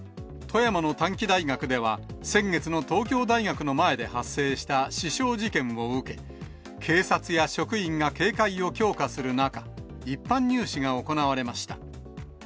富山の短期大学では、先月の東京大学の前で発生した刺傷事件を受け、警察や職員が警戒を強化する中、一般入試が行われました。